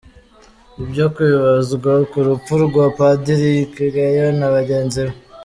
Ibyo kwibazwa ku rupfu rwa padiri Kageyo na bagenzi be.